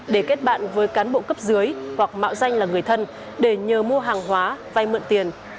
để kết bạn với cán bộ cấp dưới hoặc mạo danh là người thân để nhờ mua hàng hóa vay mượn tiền